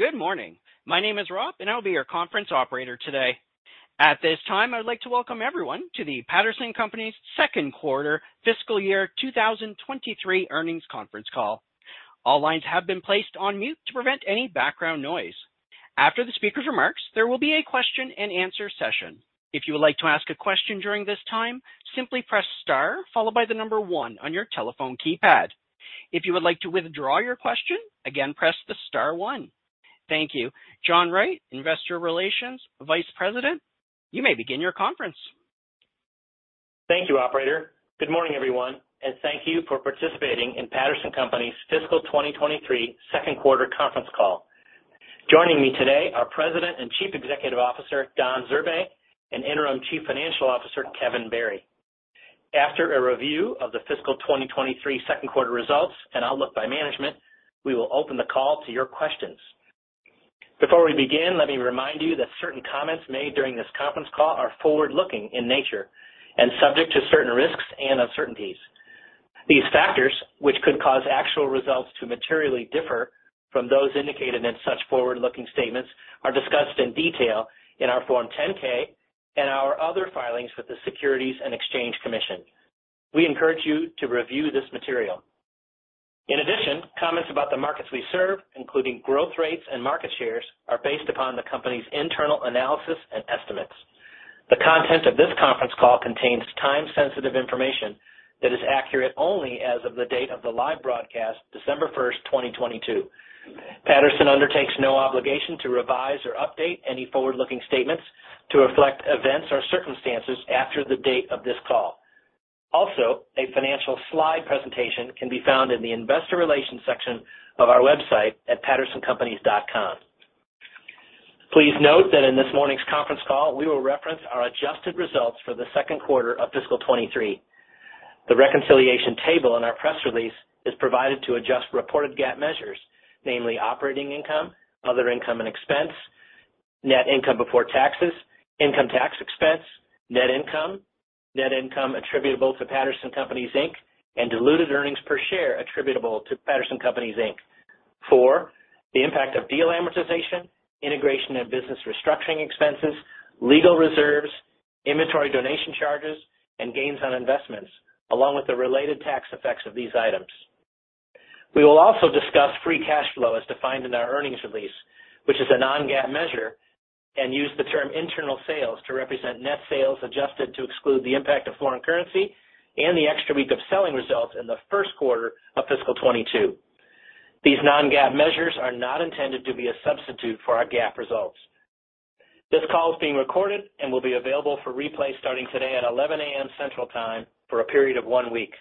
Good morning. My name is Rob, and I'll be your conference operator today. At this time, I'd like to welcome everyone to the Patterson Companies' Second Quarter Fiscal Year 2023 Earnings conference call. All lines have been placed on mute to prevent any background noise. After the speaker's remarks, there will be a question-and-answer session. If you would like to ask a question during this time, simply press star followed by the number one on your telephone keypad. If you would like to withdraw your question, again, press the star one. Thank you. John Wright, Vice President, Investor Relations, you may begin your conference. Thank you, operator. Good morning, everyone, and thank you for participating in Patterson Companies' fiscal 2023 second quarter conference call. Joining me today are President and Chief Executive Officer, Don Zurbay, and Interim Chief Financial Officer, Kevin Barry. After a review of the fiscal 2023 second quarter results and outlook by management, we will open the call to your questions. Before we begin, let me remind you that certain comments made during this conference call are forward-looking in nature and subject to certain risks and uncertainties. These factors, which could cause actual results to materially differ from those indicated in such forward-looking statements, are discussed in detail in our Form 10-K and our other filings with the Securities and Exchange Commission. We encourage you to review this material. Comments about the markets we serve, including growth rates and market shares, are based upon the company's internal analysis and estimates. The content of this conference call contains time-sensitive information that is accurate only as of the date of the live broadcast, December 1, 2022. Patterson undertakes no obligation to revise or update any forward-looking statements to reflect events or circumstances after the date of this call. A financial slide presentation can be found in the investor relations section of our website at pattersoncompanies.com. Please note that in this morning's conference call, we will reference our adjusted results for the second quarter of fiscal 2023. The reconciliation table in our press release is provided to adjust reported GAAP measures, namely operating income, other income and expense, net income before taxes, income tax expense, net income, net income attributable to Patterson Companies, Inc., and diluted earnings per share attributable to Patterson Companies, Inc. for the impact of deal amortization, integration and business restructuring expenses, legal reserves, inventory donation charges, and gains on investments, along with the related tax effects of these items. We will also discuss free cash flow as defined in our earnings release, which is a non-GAAP measure, and use the term internal sales to represent net sales adjusted to exclude the impact of foreign currency and the extra week of selling results in the first quarter of fiscal 2022. These non-GAAP measures are not intended to be a substitute for our GAAP results. This call is being recorded and will be available for replay starting today at 11:00 A.M. Central Time for a period of one week.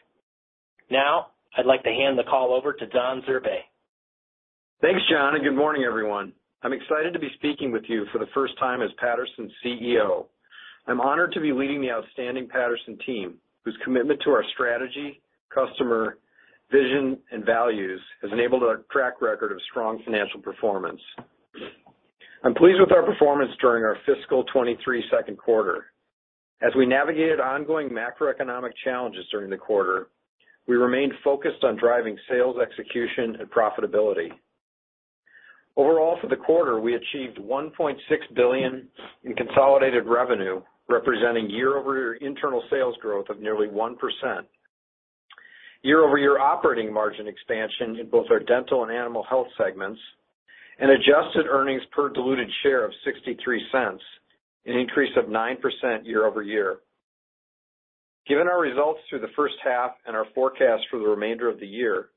Now, I'd like to hand the call over to Don Zurbay. Thanks, John. Good morning, everyone. I'm excited to be speaking with you for the first time as Patterson's CEO. I'm honored to be leading the outstanding Patterson team, whose commitment to our strategy, customer, vision, and values has enabled a track record of strong financial performance. I'm pleased with our performance during our fiscal 2023 second quarter. As we navigated ongoing macroeconomic challenges during the quarter, we remained focused on driving sales execution and profitability. Overall, for the quarter, we achieved $1.6 billion in consolidated revenue, representing year-over-year internal sales growth of nearly 1%. Year-over-year operating margin expansion in both Dental and Animal Health segments, and Adjusted Earnings Per diluted Share of $0.63, an increase of 9% year-over-year. Given our results through the first half and our forecast for the remainder of the year,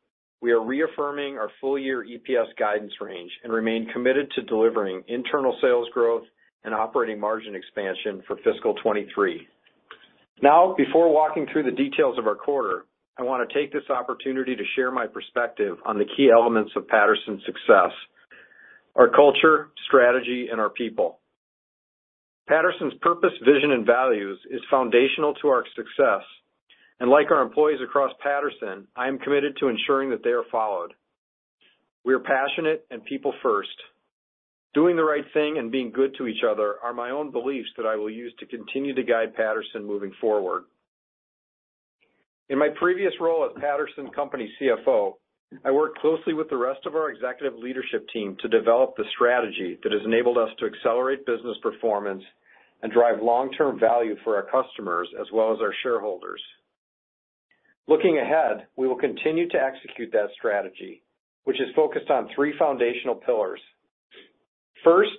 we are reaffirming our full-year EPS guidance range and remain committed to delivering internal sales growth and operating margin expansion for fiscal 2023. Before walking through the details of our quarter, I want to take this opportunity to share my perspective on the key elements of Patterson's success: our culture, strategy, and our people. Patterson's purpose, vision, and values is foundational to our success. Like our employees across Patterson, I am committed to ensuring that they are followed. We are passionate and people first. Doing the right thing and being good to each other are my own beliefs that I will use to continue to guide Patterson moving forward. In my previous role as Patterson Companies CFO, I worked closely with the rest of our executive leadership team to develop the strategy that has enabled us to accelerate business performance and drive long-term value for our customers as well as our shareholders. Looking ahead, we will continue to execute that strategy, which is focused on three foundational pillars. First,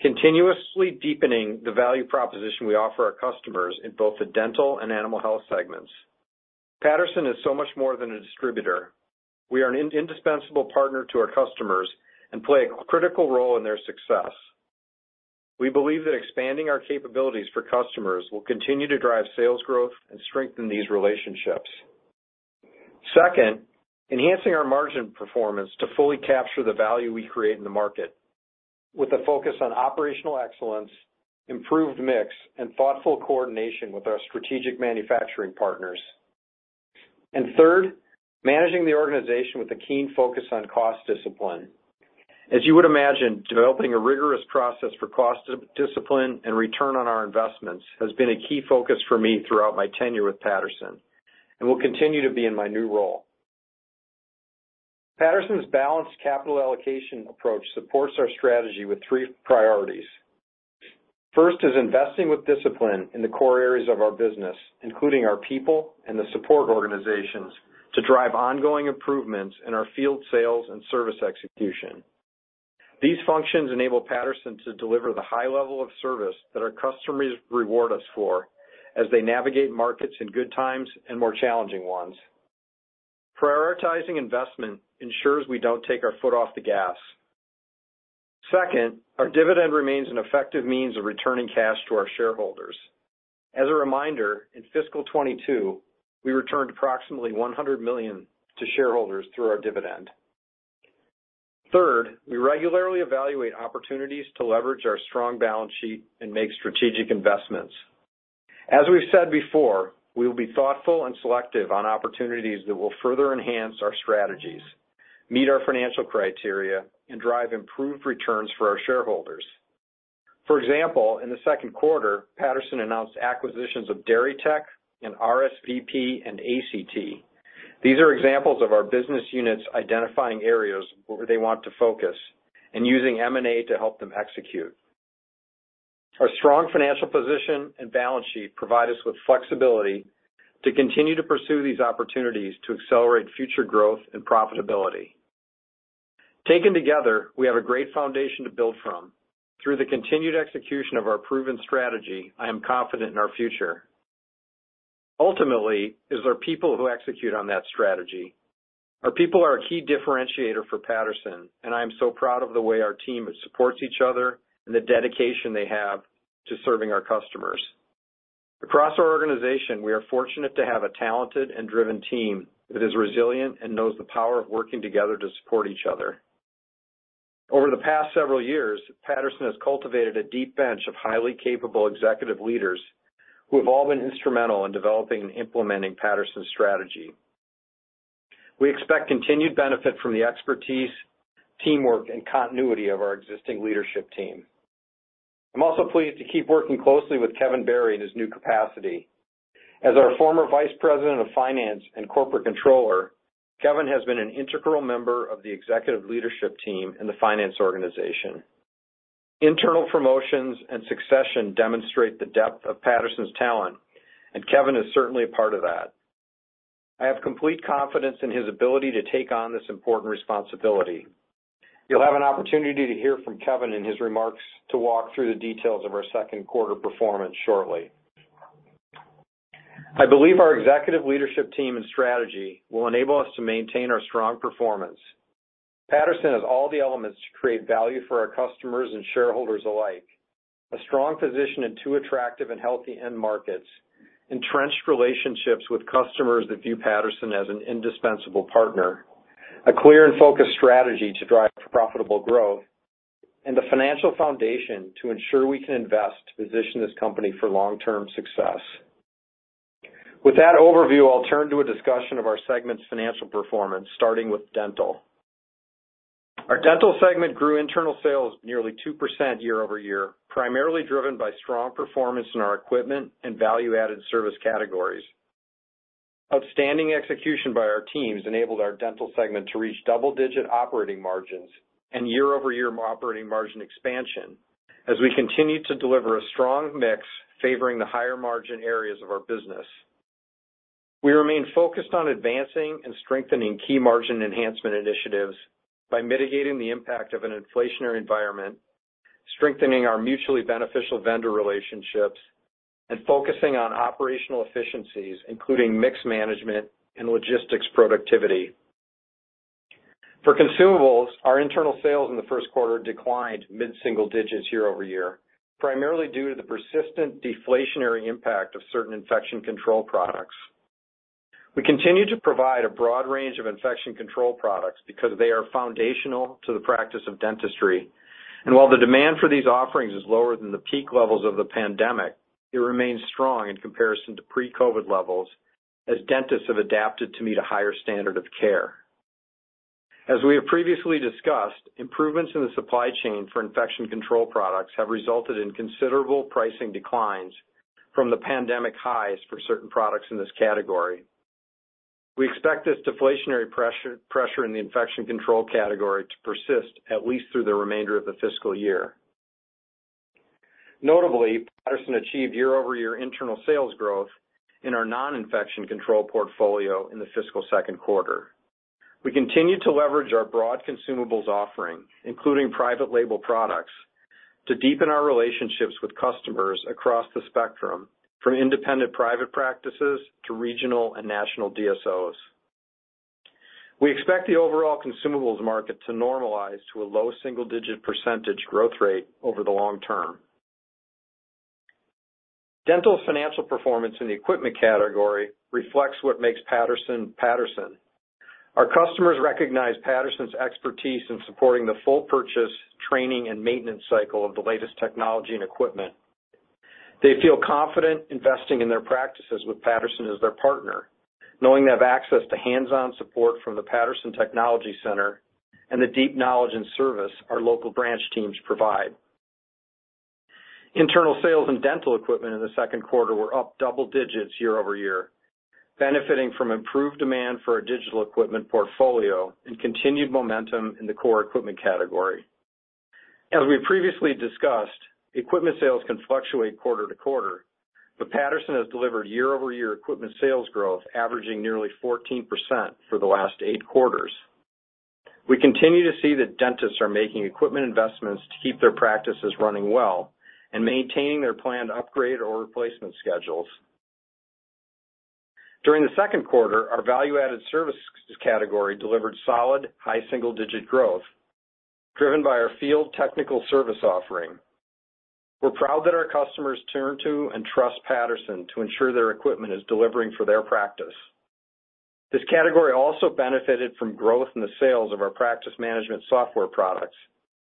continuously deepening the value proposition we offer our customers in both Dental and Animal Health segments. Patterson is so much more than a distributor. We are an indispensable partner to our customers and play a critical role in their success. We believe that expanding our capabilities for customers will continue to drive sales growth and strengthen these relationships. Second, enhancing our margin performance to fully capture the value we create in the market with a focus on operational excellence, improved mix, and thoughtful coordination with our strategic manufacturing partners. Third, managing the organization with a keen focus on cost discipline. As you would imagine, developing a rigorous process for cost discipline and return on our investments has been a key focus for me throughout my tenure with Patterson, and will continue to be in my new role. Patterson's balanced capital allocation approach supports our strategy with three priorities. First is investing with discipline in the core areas of our business, including our people and the support organizations, to drive ongoing improvements in our field sales and service execution. These functions enable Patterson to deliver the high level of service that our customers reward us for as they navigate markets in good times and more challenging ones. Prioritizing investment ensures we don't take our foot off the gas. Second, our dividend remains an effective means of returning cash to our shareholders. As a reminder, in fiscal 2022, we returned approximately $100 million to shareholders through our dividend. Third, we regularly evaluate opportunities to leverage our strong balance sheet and make strategic investments. As we've said before, we will be thoughtful and selective on opportunities that will further enhance our strategies, meet our financial criteria, and drive improved returns for our shareholders. For example, in the second quarter, Patterson announced acquisitions of Dairy Tech and RSVP and ACT. These are examples of our business units identifying areas where they want to focus and using M&A to help them execute. Our strong financial position and balance sheet provide us with flexibility to continue to pursue these opportunities to accelerate future growth and profitability. Taken together, we have a great foundation to build from. Through the continued execution of our proven strategy, I am confident in our future. Ultimately, it is our people who execute on that strategy. Our people are a key differentiator for Patterson, and I am so proud of the way our team supports each other and the dedication they have to serving our customers. Across our organization, we are fortunate to have a talented and driven team that is resilient and knows the power of working together to support each other. Over the past several years, Patterson has cultivated a deep bench of highly capable executive leaders who have all been instrumental in developing and implementing Patterson's strategy. We expect continued benefit from the expertise, teamwork, and continuity of our existing leadership team. I'm also pleased to keep working closely with Kevin Barry in his new capacity. As our former Vice President of Finance and Corporate Controller, Kevin has been an integral member of the executive leadership team in the finance organization. Internal promotions and succession demonstrate the depth of Patterson's talent. Kevin is certainly a part of that. I have complete confidence in his ability to take on this important responsibility. You'll have an opportunity to hear from Kevin in his remarks to walk through the details of our second quarter performance shortly. I believe our executive leadership team and strategy will enable us to maintain our strong performance. Patterson has all the elements to create value for our customers and shareholders alike. A strong position in two attractive and healthy end markets, entrenched relationships with customers that view Patterson as an indispensable partner, a clear and focused strategy to drive profitable growth, and the financial foundation to ensure we can invest to position this company for long-term success. With that overview, I'll turn to a discussion of our segment's financial performance, starting with Dental. Our Dental segment grew internal sales nearly 2% year-over-year, primarily driven by strong performance in our equipment and value-added service categories. Outstanding execution by our teams enabled our Dental segment to reach double-digit operating margins and year-over-year operating margin expansion as we continue to deliver a strong mix favoring the higher margin areas of our business. We remain focused on advancing and strengthening key margin enhancement initiatives by mitigating the impact of an inflationary environment, strengthening our mutually beneficial vendor relationships, and focusing on operational efficiencies, including mix management and logistics productivity. For consumables, our internal sales in the first quarter declined mid-single digits year-over-year, primarily due to the persistent deflationary impact of certain infection control products. We continue to provide a broad range of infection control products because they are foundational to the practice of dentistry. While the demand for these offerings is lower than the peak levels of the pandemic, it remains strong in comparison to pre-COVID levels as dentists have adapted to meet a higher standard of care. As we have previously discussed, improvements in the supply chain for infection control products have resulted in considerable pricing declines from the pandemic highs for certain products in this category. We expect this deflationary pressure in the infection control category to persist at least through the remainder of the fiscal year. Notably, Patterson achieved year-over-year internal sales growth in our non-infection control portfolio in the fiscal second quarter. We continue to leverage our broad consumables offering, including private label products, to deepen our relationships with customers across the spectrum, from independent private practices to regional and national DSOs. We expect the overall consumables market to normalize to a low single-digit percentage growth rate over the long term. Dental financial performance in the equipment category reflects what makes Patterson Patterson. Our customers recognize Patterson's expertise in supporting the full purchase, training, and maintenance cycle of the latest technology and equipment. They feel confident investing in their practices with Patterson as their partner, knowing they have access to hands-on support from the Patterson Technology Center and the deep knowledge and service our local branch teams provide. Internal sales and dental equipment in the second quarter were up double digits year-over-year, benefiting from improved demand for our digital equipment portfolio and continued momentum in the core equipment category. As we previously discussed, equipment sales can fluctuate quarter to quarter, but Patterson has delivered year-over-year equipment sales growth averaging nearly 14% for the last eight quarters. We continue to see that dentists are making equipment investments to keep their practices running well and maintaining their planned upgrade or replacement schedules. During the second quarter, our value-added services category delivered solid high single-digit growth driven by our field technical service offering. We're proud that our customers turn to and trust Patterson to ensure their equipment is delivering for their practice. This category also benefited from growth in the sales of our practice management software products,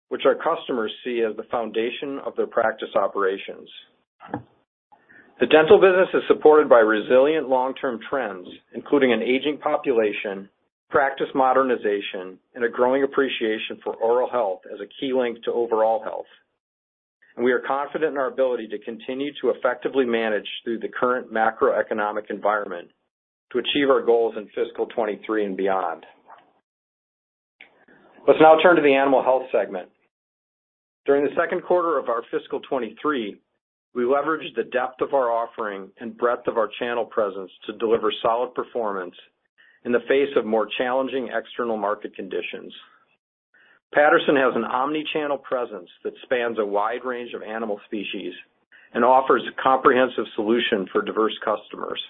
which our customers see as the foundation of their practice operations. The dental business is supported by resilient long-term trends, including an aging population, practice modernization, and a growing appreciation for oral health as a key link to overall health. We are confident in our ability to continue to effectively manage through the current macroeconomic environment to achieve our goals in fiscal 23 and beyond. Let's now turn to the Animal Health segment. During the second quarter of our fiscal 2023, we leveraged the depth of our offering and breadth of our channel presence to deliver solid performance in the face of more challenging external market conditions. Patterson has an omni-channel presence that spans a wide range of animal species and offers a comprehensive solution for diverse customers,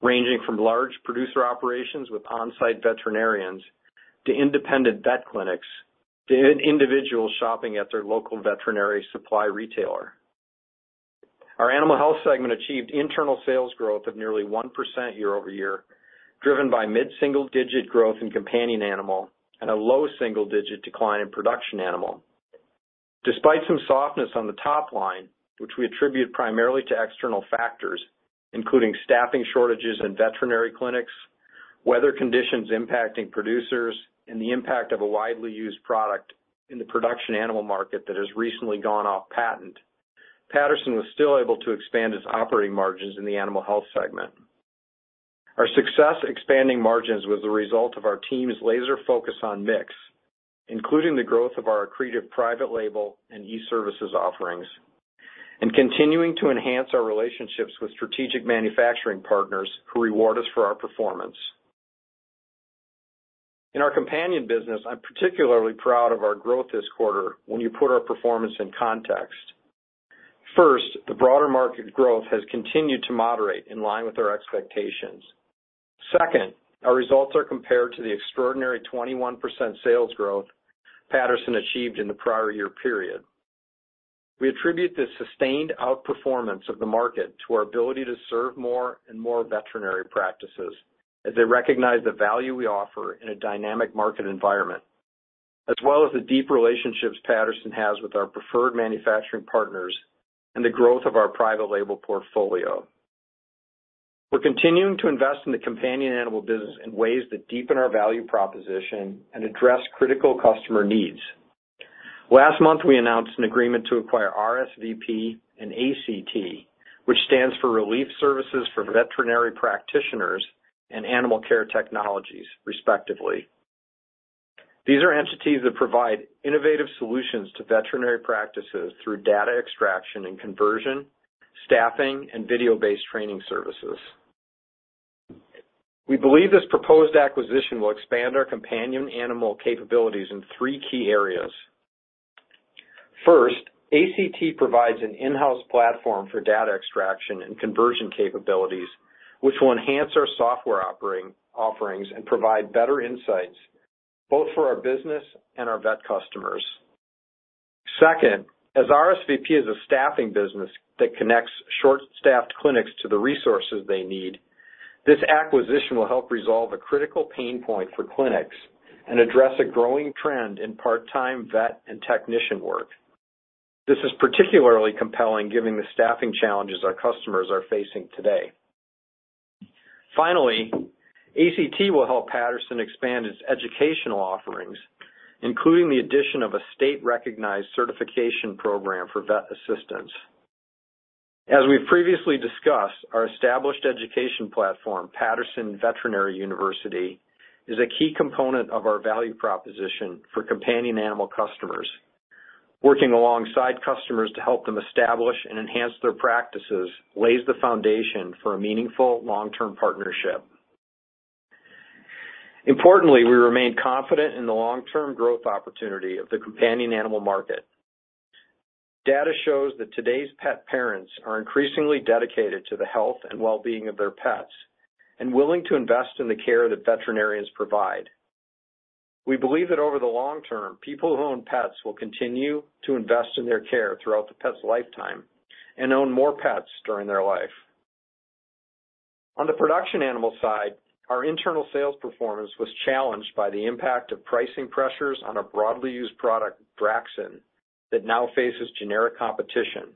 ranging from large producer operations with on-site veterinarians to independent vet clinics to individuals shopping at their local veterinary supply retailer. Our Animal Health segment achieved internal sales growth of nearly 1% year-over-year, driven by mid-single digit growth in Companion Animal and a low single-digit decline in Production Animal. Despite some softness on the top line, which we attribute primarily to external factors, including staffing shortages in veterinary clinics, weather conditions impacting producers, and the impact of a widely used product in the Production Animal market that has recently gone off patent, Patterson was still able to expand its operating margins in the Animal Health segment. Our success expanding margins was the result of our team's laser focus on mix, including the growth of our accretive private label and eServices offerings, and continuing to enhance our relationships with strategic manufacturing partners who reward us for our performance. In our companion business, I'm particularly proud of our growth this quarter when you put our performance in context. First, the broader market growth has continued to moderate in line with our expectations. Second, our results are compared to the extraordinary 21% sales growth Patterson achieved in the prior year period. We attribute the sustained outperformance of the market to our ability to serve more and more veterinary practices as they recognize the value we offer in a dynamic market environment, as well as the deep relationships Patterson has with our preferred manufacturing partners and the growth of our private label portfolio. We're continuing to invest in the Companion Animal business in ways that deepen our value proposition and address critical customer needs. Last month, we announced an agreement to acquire RSVP and ACT, which stands for Relief Services for Veterinary Practitioners and Animal Care Technologies, respectively. These are entities that provide innovative solutions to veterinary practices through data extraction and conversion, staffing, and video-based training services. We believe this proposed acquisition will expand our Companion Animal capabilities in three key areas. ACT provides an in-house platform for data extraction and conversion capabilities, which will enhance our software offerings and provide better insights both for our business and our vet customers. As RSVP is a staffing business that connects short-staffed clinics to the resources they need, this acquisition will help resolve a critical pain point for clinics and address a growing trend in part-time vet and technician work. This is particularly compelling given the staffing challenges our customers are facing today. ACT will help Patterson expand its educational offerings, including the addition of a state-recognized certification program for vet assistants. As we've previously discussed, our established education platform, Patterson Veterinary University, is a key component of our value proposition for Companion Animal customers. Working alongside customers to help them establish and enhance their practices lays the foundation for a meaningful long-term partnership. Importantly, we remain confident in the long-term growth opportunity of the Companion Animal market. Data shows that today's pet parents are increasingly dedicated to the health and well-being of their pets and willing to invest in the care that veterinarians provide. We believe that over the long term, people who own pets will continue to invest in their care throughout the pet's lifetime and own more pets during their life. On the Production Animal side, our internal sales performance was challenged by the impact of pricing pressures on a broadly used product, Draxxin, that now faces generic competition.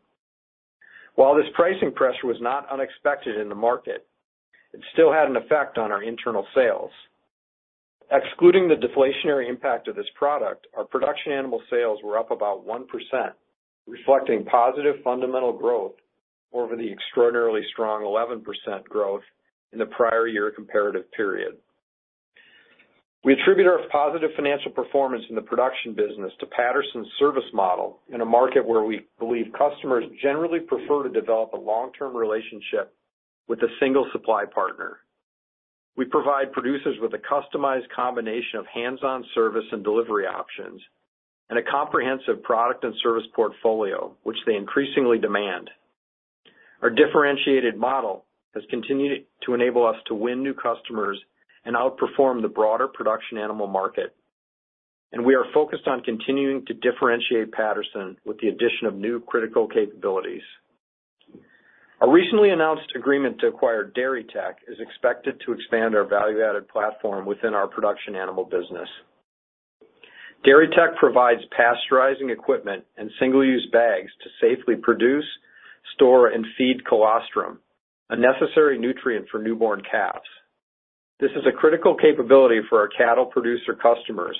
While this pricing pressure was not unexpected in the market, it still had an effect on our internal sales. Excluding the deflationary impact of this product, our Production Animal sales were up about 1%, reflecting positive fundamental growth over the extraordinarily strong 11% growth in the prior-year comparative period. We attribute our positive financial performance in the production business to Patterson's service model in a market where we believe customers generally prefer to develop a long-term relationship with a single supply partner. We provide producers with a customized combination of hands-on service and delivery options, and a comprehensive product and service portfolio which they increasingly demand. Our differentiated model has continued to enable us to win new customers and outperform the broader Production Animal market, and we are focused on continuing to differentiate Patterson with the addition of new critical capabilities. Our recently announced agreement to acquire Dairy Tech is expected to expand our value-added platform within our Production Animal business. Dairy Tech provides pasteurizing equipment and single-use bags to safely produce, store, and feed colostrum, a necessary nutrient for newborn calves. This is a critical capability for our cattle producer customers.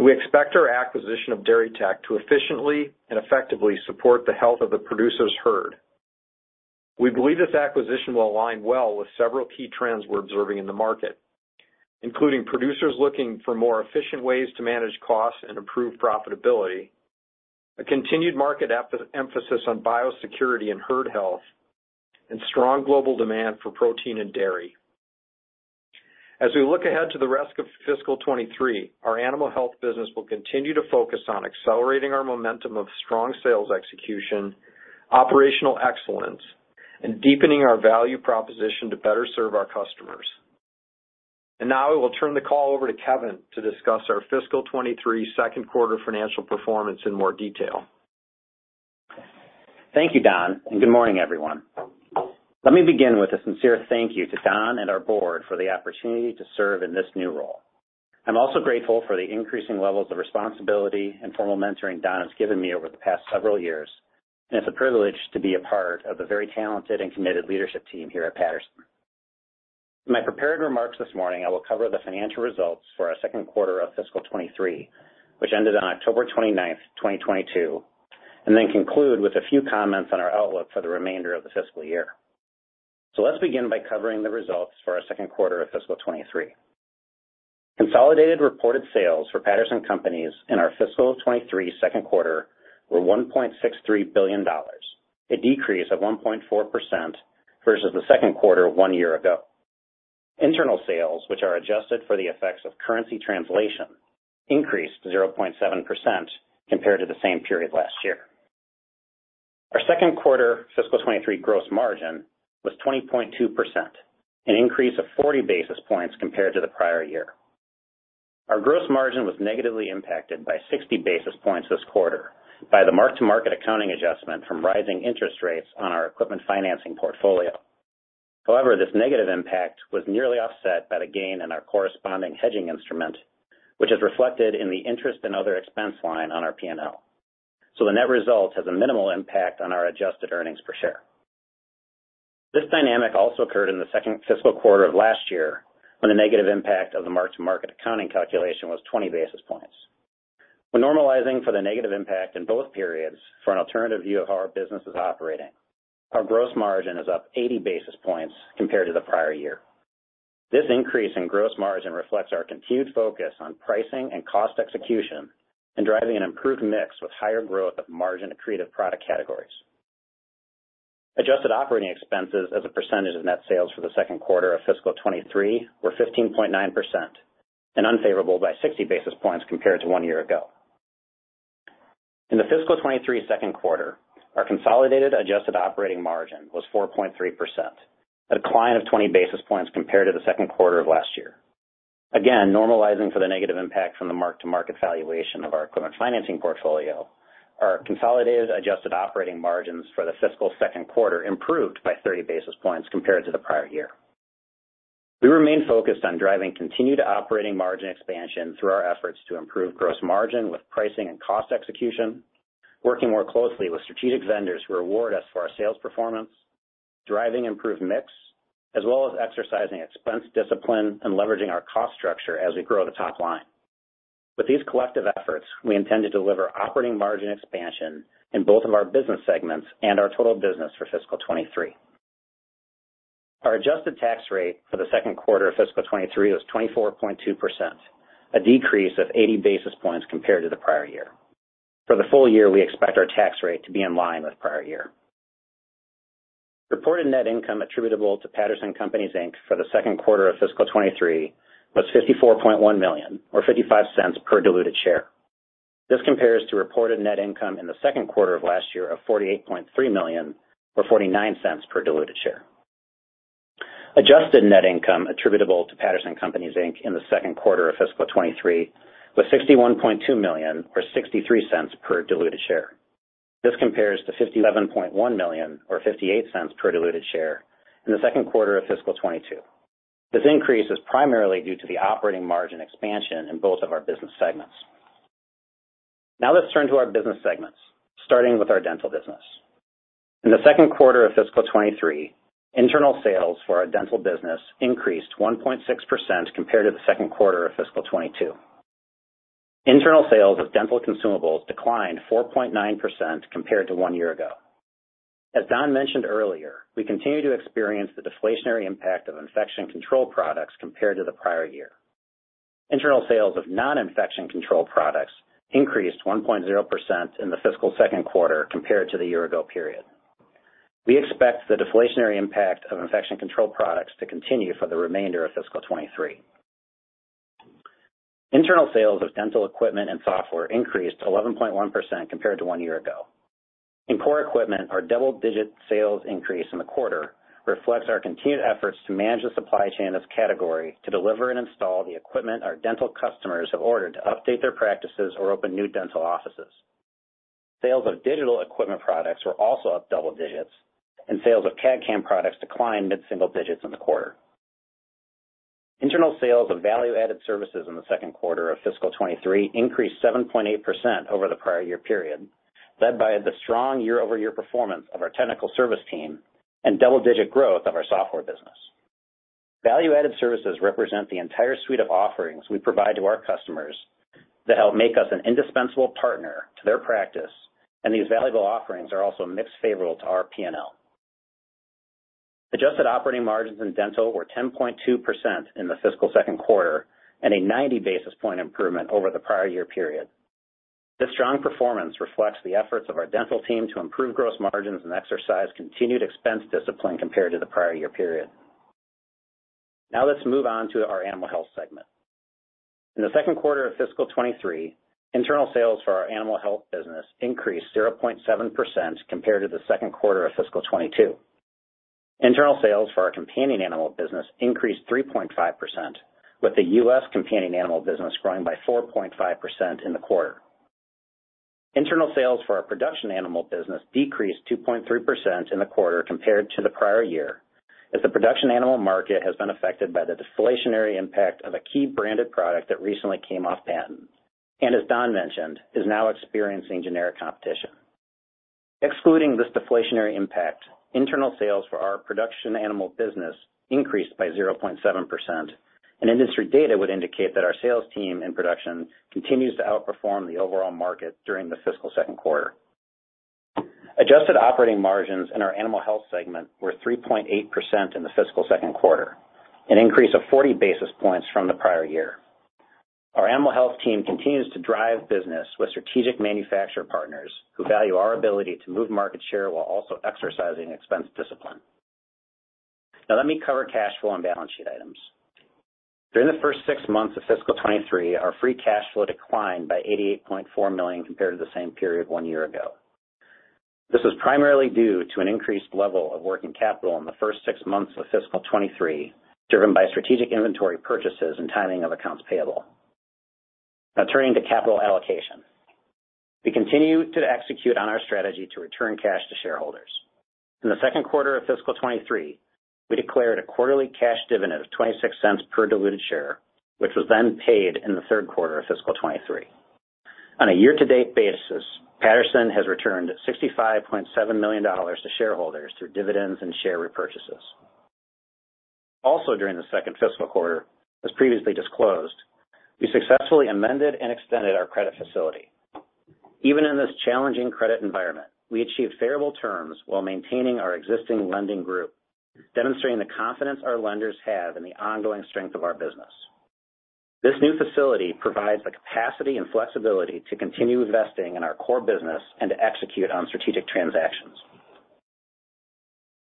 We expect our acquisition of DairyTech to efficiently and effectively support the health of the producer's herd. We believe this acquisition will align well with several key trends we're observing in the market, including producers looking for more efficient ways to manage costs and improve profitability, a continued market emphasis on biosecurity and herd health, and strong global demand for protein and dairy. As we look ahead to the rest of fiscal 2023, our Animal Health business will continue to focus on accelerating our momentum of strong sales execution, operational excellence, and deepening our value proposition to better serve our customers. Now I will turn the call over to Kevin to discuss our fiscal 2023 second quarter financial performance in more detail. Thank you, Don, good morning, everyone. Let me begin with a sincere thank you to Don and our board for the opportunity to serve in this new role. I'm also grateful for the increasing levels of responsibility and formal mentoring Don has given me over the past several years, it's a privilege to be a part of the very talented and committed leadership team here at Patterson. In my prepared remarks this morning, I will cover the financial results for our second quarter of fiscal 2023, which ended on October 29th, 2022, then conclude with a few comments on our outlook for the remainder of the fiscal year. Let's begin by covering the results for our second quarter of fiscal 2023. Consolidated reported sales for Patterson Companies in our fiscal 2023 second quarter were $1.63 billion, a decrease of 1.4% versus the second quarter of one year ago. Internal sales, which are adjusted for the effects of currency translation, increased 0.7% compared to the same period last year. Our second quarter fiscal 2023 gross margin was 20.2%, an increase of 40 basis points compared to the prior year. Our gross margin was negatively impacted by 60 basis points this quarter by the mark-to-market accounting adjustment from rising interest rates on our equipment financing portfolio. However, this negative impact was nearly offset by the gain in our corresponding hedging instrument, which is reflected in the interest and other expense line on our P&L. The net result has a minimal impact on our Adjusted Earnings Per Share. This dynamic also occurred in the second fiscal quarter of last year, when the negative impact of the mark-to-market accounting calculation was 20 basis points. When normalizing for the negative impact in both periods for an alternative view of how our business is operating, our gross margin is up 80 basis points compared to the prior year. This increase in gross margin reflects our continued focus on pricing and cost execution and driving an improved mix with higher growth of margin-accretive product categories. Adjusted operating expenses as a percentage of net sales for the second quarter of fiscal 23 were 15.9%, and unfavorable by 60 basis points compared to one year ago. In the fiscal 2023 second quarter, our consolidated adjusted operating margin was 4.3%, a decline of 20 basis points compared to the second quarter of last year. Again, normalizing for the negative impact from the mark-to-market valuation of our equipment financing portfolio, our consolidated adjusted operating margins for the fiscal second quarter improved by 30 basis points compared to the prior year. We remain focused on driving continued operating margin expansion through our efforts to improve gross margin with pricing and cost execution, working more closely with strategic vendors who reward us for our sales performance, driving improved mix, as well as exercising expense discipline and leveraging our cost structure as we grow the top line. With these collective efforts, we intend to deliver operating margin expansion in both of our business segments and our total business for fiscal 2023. Our adjusted tax rate for the second quarter of fiscal 2023 was 24.2%, a decrease of 80 basis points compared to the prior year. For the full year, we expect our tax rate to be in line with prior year. Reported net income attributable to Patterson Companies, Inc. for the second quarter of fiscal 2023 was $54.1 million or $0.55 per diluted share. This compares to reported net income in the second quarter of last year of $48.3 million or $0.49 per diluted share. Adjusted net income attributable to Patterson Companies, Inc. in the second quarter of fiscal 2023 was $61.2 million or $0.63 per diluted share. This compares to $57.1 million or $0.58 per diluted share in the second quarter of fiscal 2022. This increase is primarily due to the operating margin expansion in both of our business segments. Now let's turn to our business segments, starting with our dental business. In the second quarter of fiscal 2023, Internal sales for our dental business increased 1.6% compared to the second quarter of fiscal 2022. Internal sales of dental consumables declined 4.9% compared to one year ago. As Don mentioned earlier, we continue to experience the deflationary impact of infection control products compared to the prior year. Internal sales of non-infection control products increased 1.0% in the fiscal second quarter compared to the year ago period. We expect the deflationary impact of infection control products to continue for the remainder of fiscal 2023. Internal sales of dental equipment and software increased 11.1% compared to one year ago. In core equipment, our double-digit sales increase in the quarter reflects our continued efforts to manage the supply chain of this category to deliver and install the equipment our dental customers have ordered to update their practices or open new dental offices. Sales of digital equipment products were also up double digits, and sales of CAD/CAM products declined mid-single digits in the quarter. Internal sales of value-added services in the second quarter of fiscal 2023 increased 7.8% over the prior year-over-year period, led by the strong year-over-year performance of our technical service team and double-digit growth of our software business. Value-added services represent the entire suite of offerings we provide to our customers that help make us an indispensable partner to their practice, and these valuable offerings are also mixed favorable to our P&L. Adjusted operating margins in dental were 10.2% in the fiscal second quarter and a 90 basis point improvement over the prior-year period. This strong performance reflects the efforts of our dental team to improve gross margins and exercise continued expense discipline compared to the prior-year period. Now let's move on to our Animal Health segment. In the second quarter of fiscal 2023, internal sales for our Animal Health business increased 0.7% compared to the second quarter of fiscal 2022. Internal sales for our Companion Animal business increased 3.5%, with the U.S. Companion Animal business growing by 4.5% in the quarter. Internal sales for our Production Animal business decreased 2.3% in the quarter compared to the prior year, as the Production Animal market has been affected by the deflationary impact of a key branded product that recently came off patent and, as Don mentioned, is now experiencing generic competition. Excluding this deflationary impact, internal sales for our Production Animal business increased by 0.7%, and industry data would indicate that our sales team in production continues to outperform the overall market during the fiscal second quarter. Adjusted operating margins in our Animal Health segment were 3.8% in the fiscal second quarter, an increase of 40 basis points from the prior year. Our Animal Health team continues to drive business with strategic manufacturer partners who value our ability to move market share while also exercising expense discipline. Let me cover cash flow and balance sheet items. During the first six months of fiscal 2023, our free cash flow declined by $88.4 million compared to the same period one year ago. This was primarily due to an increased level of working capital in the first six months of fiscal 2023, driven by strategic inventory purchases and timing of accounts payable. Turning to capital allocation. We continue to execute on our strategy to return cash to shareholders. In the second quarter of fiscal 2023, we declared a quarterly cash dividend of $0.26 per diluted share, which was then paid in the third quarter of fiscal 2023. On a year-to-date basis, Patterson has returned $65.7 million to shareholders through dividends and share repurchases. During the second fiscal quarter, as previously disclosed, we successfully amended and extended our credit facility. Even in this challenging credit environment, we achieved favorable terms while maintaining our existing lending group, demonstrating the confidence our lenders have in the ongoing strength of our business. This new facility provides the capacity and flexibility to continue investing in our core business and to execute on strategic transactions.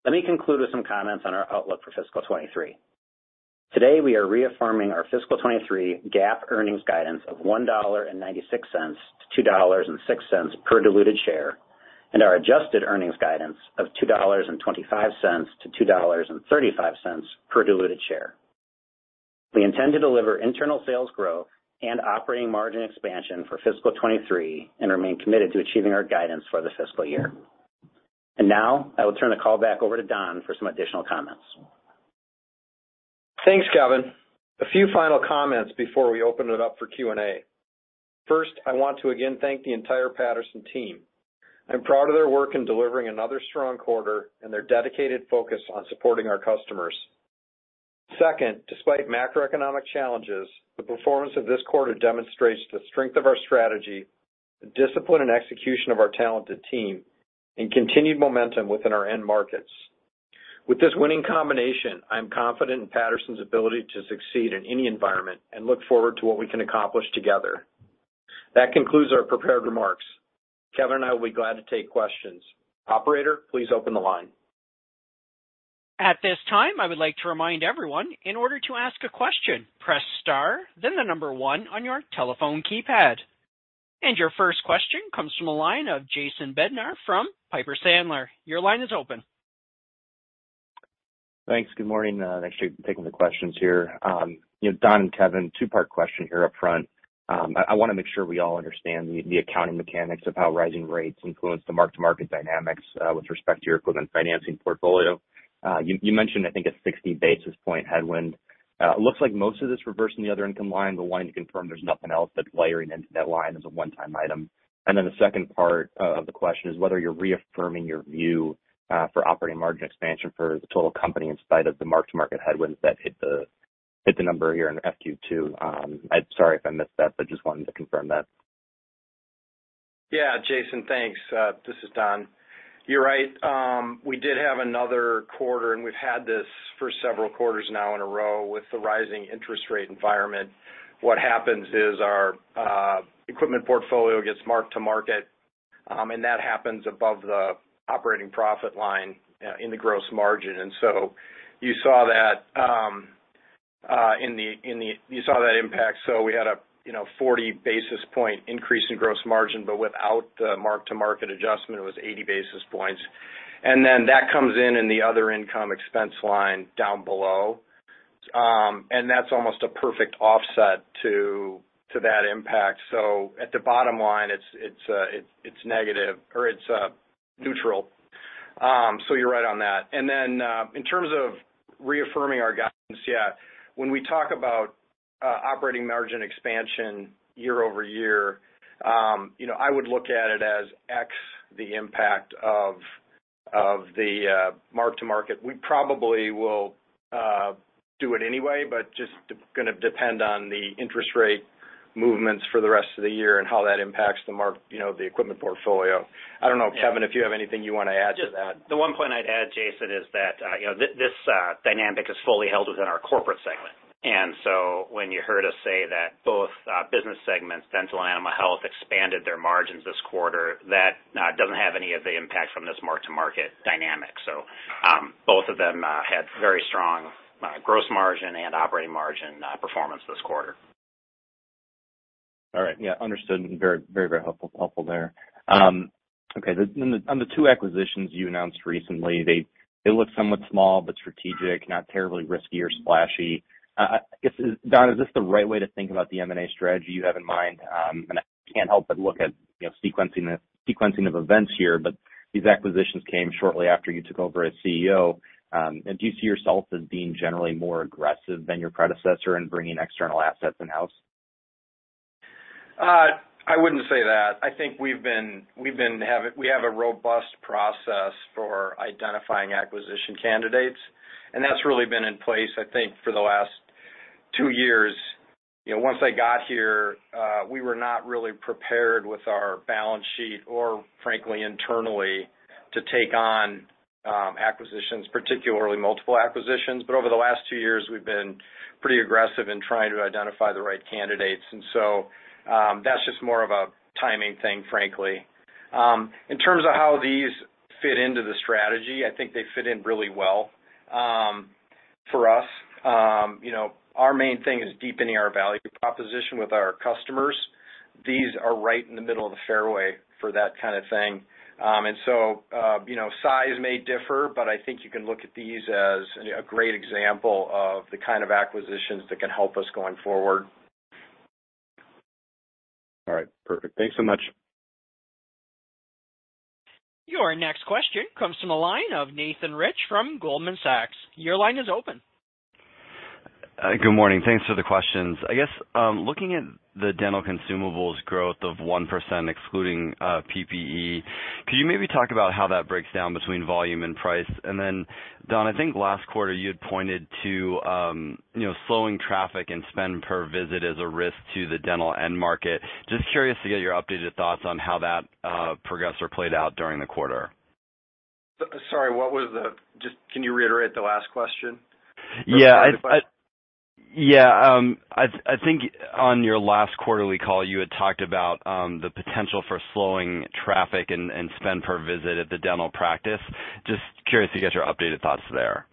Let me conclude with some comments on our outlook for fiscal 2023. Today, we are reaffirming our fiscal 2023 GAAP earnings guidance of $1.96-$2.06 per diluted share and our adjusted earnings guidance of $2.25-$2.35 per diluted share. We intend to deliver internal sales growth and operating margin expansion for fiscal 2023 and remain committed to achieving our guidance for this fiscal year. Now, I will turn the call back over to Don for some additional comments. Thanks, Kevin. A few final comments before we open it up for Q&A. First, I want to again thank the entire Patterson team. I'm proud of their work in delivering another strong quarter and their dedicated focus on supporting our customers. Second, despite macroeconomic challenges, the performance of this quarter demonstrates the strength of our strategy, the discipline and execution of our talented team, and continued momentum within our end markets. With this winning combination, I am confident in Patterson's ability to succeed in any environment and look forward to what we can accomplish together. That concludes our prepared remarks. Kevin and I will be glad to take questions. Operator, please open the line. At this time, I would like to remind everyone, in order to ask a question, press star then the number one on your telephone keypad. Your first question comes from the line of Jason Bednar from Piper Sandler. Your line is open. Thanks. Good morning. Thanks for taking the questions here. You know, Don and Kevin, two-part question here up front. I wanna make sure we all understand the accounting mechanics of how rising rates influence the mark-to-market dynamics with respect to your equipment financing portfolio. You mentioned, I think, a 60 basis point headwind. It looks like most of this reversed in the other income line, but wanting to confirm there's nothing else that's layering into that line as a one-time item. The second part of the question is whether you're reaffirming your view for operating margin expansion for the total company in spite of the mark-to-market headwinds that hit the number here in FQ2. I'm sorry if I missed that, but just wanted to confirm that. Jason, thanks. This is Don. You're right. We did have another quarter, and we've had this for several quarters now in a row with the rising interest rate environment. What happens is our equipment portfolio gets mark-to-market, and that happens above the operating profit line in the gross margin. You saw that impact. We had a, you know, 40 basis point increase in gross margin, but without the mark-to-market adjustment, it was 80 basis points. That comes in in the other income expense line down below. That's almost a perfect offset to that impact. At the bottom line, it's negative or it's neutral. You're right on that. In terms of reaffirming our guidance, yeah, when we talk about operating margin expansion year-over-year, you know, I would look at it as X, the impact of the mark-to-market. We probably will do it anyway, but just gonna depend on the interest rate movements for the rest of the year and how that impacts the mark, you know, the equipment portfolio. I don't know, Kevin, if you have anything you wanna add to that. Just the one point I'd add, Jason, is that this dynamic is fully held within our corporate segment. When you heard us say that both business segments, Dental and Animal Health expanded their margins this quarter, that doesn't have any of the impact from this mark-to-market dynamic. Both of them had very strong gross margin and operating margin performance this quarter. All right. Yeah, understood. Very helpful there. Okay. On the two acquisitions you announced recently, they look somewhat small but strategic, not terribly risky or splashy. I guess Don, is this the right way to think about the M&A strategy you have in mind? I can't help but look at, you know, sequencing of events here, but these acquisitions came shortly after you took over as CEO. Do you see yourself as being generally more aggressive than your predecessor in bringing external assets in-house? I wouldn't say that. I think we have a robust process for identifying acquisition candidates, and that's really been in place, I think, for the last two years. You know, once I got here, we were not really prepared with our balance sheet or frankly, internally to take on acquisitions, particularly multiple acquisitions. Over the last two years, we've been pretty aggressive in trying to identify the right candidates. That's just more of a timing thing, frankly. In terms of how these fit into the strategy, I think they fit in really well for us. You know, our main thing is deepening our value proposition with our customers. These are right in the middle of the fairway for that kind of thing. You know, size may differ, but I think you can look at these as a great example of the kind of acquisitions that can help us going forward. All right. Perfect. Thanks so much. Your next question comes from the line of Nathan Rich from Goldman Sachs. Your line is open. Good morning. Thanks for the questions. I guess, looking at the Dental consumables growth of 1%, excluding PPE, could you maybe talk about how that breaks down between volume and price? Don, I think last quarter you had pointed to, you know, slowing traffic and spend per visit as a risk to the Dental end market. Just curious to get your updated thoughts on how that progressed or played out during the quarter. Sorry, Just can you reiterate the last question? Yeah. I think on your last quarterly call, you had talked about the potential for slowing traffic and spend per visit at the dental practice. Just curious to get your updated thoughts there.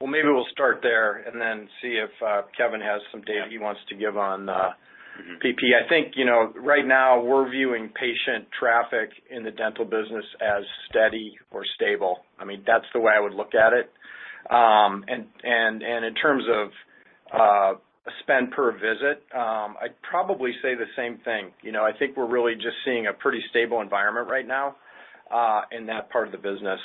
Well, maybe we'll start there and then see if Kevin has some data he wants to give on PPE. I think, you know, right now we're viewing patient traffic in the Dental business as steady or stable. I mean, that's the way I would look at it. In terms of spend per visit, I'd probably say the same thing. You know, I think we're really just seeing a pretty stable environment right now in that part of the business.